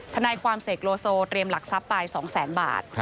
ทนายความเสกโลโซเตรียมหลักทรัพย์ไป๒แสนบาท